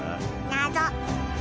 謎。